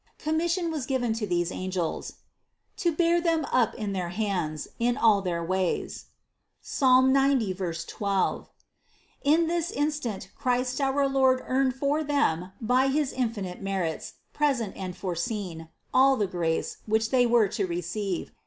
Commission was given to these angels, "to bear them up in their hands" in all their ways (Ps. 90, 12). In this instant Christ our Lord earned for them by his infinite merits, present and foreseen, all the grace, which they were to receive.